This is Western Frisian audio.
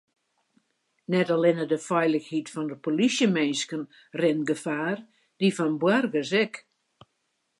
Net allinnich de feilichheid fan de polysjeminsken rint gefaar, dy fan boargers ek.